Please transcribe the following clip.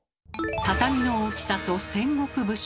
畳の大きさと戦国武将。